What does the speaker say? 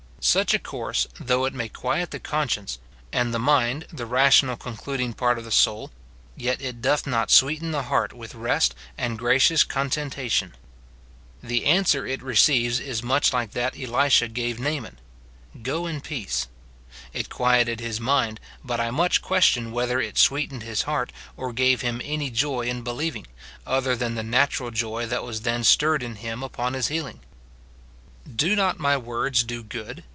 Such a course, though it may quiet the conscience and the mind, the rational concluding part of the soul, yet it doth not sweeten the heart with rest and gracious contentation. The answer it receives is much like that * Psa. cxxx. G ; cxsiii. 2. f Isa. xxviii. 16. 286 MORTIFICATION OF Elisha gave Naaman, " Go in peace ;"* it quieted his mind, but I much question whether it sweetened his heart, or gave him any joy in believing, other than the natural joy that was then stirred in him upon his healing. "Do not my words do good?"